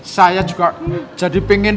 saya juga jadi pengen